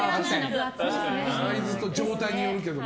サイズと状態によるけど。